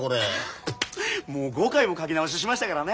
もう５回も描き直ししましたからね。